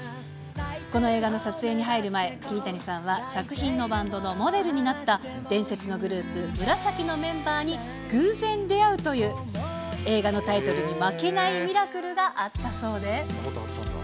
この映画の撮影に入る前、桐谷さんは作品のバンドのモデルになった伝説のグループ、紫のメンバーに偶然出会うという、映画のタイトルに負けないミラクルがあったそうで。